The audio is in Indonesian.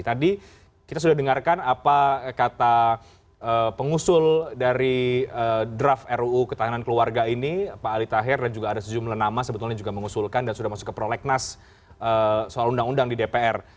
tadi kita sudah dengarkan apa kata pengusul dari draft ruu ketahanan keluarga ini pak ali tahir dan juga ada sejumlah nama sebetulnya juga mengusulkan dan sudah masuk ke prolegnas soal undang undang di dpr